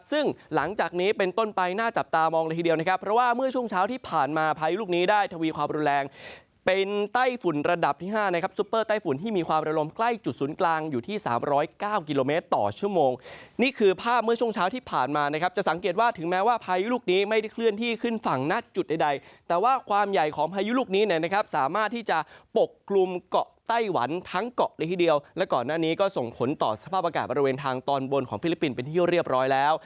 ซึ่งหลังจากนี้เป็นต้นไปหน้าจับตามองละทีเดียวนะครับเพราะว่าเมื่อช่วงเช้าที่ผ่านมาพายุลูกนี้ได้ทวีความรุนแรงเป็นไต้ฝุ่นระดับที่๕นะครับซุปเปอร์ไต้ฝุ่นที่มีความระลมใกล้จุดศูนย์กลางอยู่ที่๓๐๙กิโลเมตรต่อชั่วโมงนี่คือภาพเมื่อช่วงเช้าที่ผ่านมานะครับจะสังเกตว่าถึงแม้